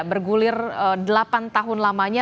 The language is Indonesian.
bergulir delapan tahun lamanya